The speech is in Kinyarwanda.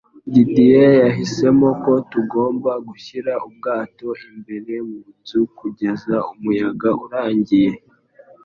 Didier yahisemo ko tugomba gushyira ubwato imbere mu nzu kugeza umuyaga urangiye.